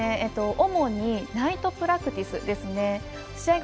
主にナイトプラクティスですね。